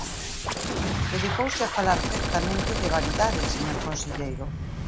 Dedicouse a falar certamente de vaguidades, señor conselleiro.